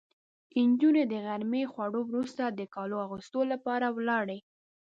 نجونې د غرمې خوړو وروسته د کالو اغوستو لپاره ولاړې.